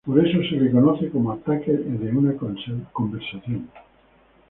Por eso se le conoce como ataque de una conversación.